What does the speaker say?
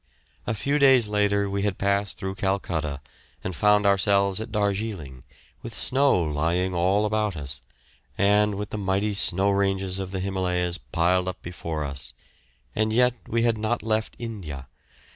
A few days later we had passed through Calcutta and found ourselves at Darjeeling, with snow lying all about us, and with the mighty snow ranges of the Himalayas piled up before us, and yet we had not left India.